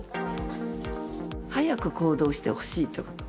早く行動してほしいと。